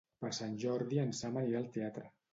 Per Sant Jordi en Sam anirà al teatre.